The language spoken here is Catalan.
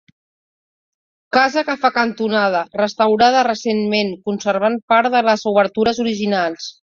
Casa que fa cantonada, restaurada recentment conservant part de les obertures originals.